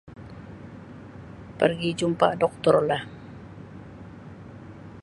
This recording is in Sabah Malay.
Pergi jumpa Doktor lah.